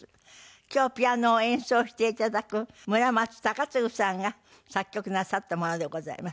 今日ピアノを演奏して頂く村松崇継さんが作曲なさったものでございます。